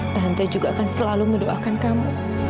tante juga akan selalu mendoakan kamu